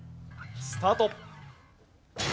スタート。